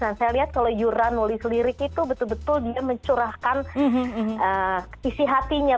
dan saya lihat kalau yura menulis lirik itu betul betul dia mencurahkan isi hatinya